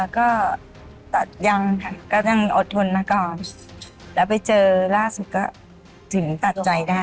ก็ตัดยังค่ะก็ยังอดทนมาก่อนแล้วไปเจอล่าสุดก็ถึงตัดใจได้